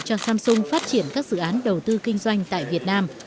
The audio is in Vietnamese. cho samsung phát triển các dự án đầu tư kinh doanh tại việt nam